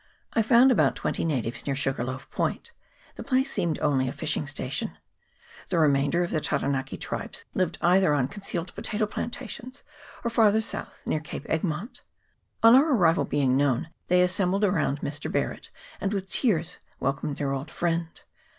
I found about twenty natives near Sugarloaf Point ; the place seemed only a fishing station : the remainder of the Taranaki tribes lived either on concealed potato plantations, or farther south near Cape Egmont. On our arrival being known, they assembled around Mr. Barret, and with tears wel comed their old friend.